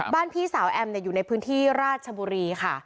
พี่สาวแอมอยู่ในพื้นที่ราชบุรีค่ะ